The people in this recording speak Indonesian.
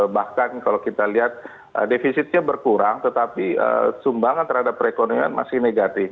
bahkan kalau kita lihat defisitnya berkurang tetapi sumbangan terhadap perekonomian masih negatif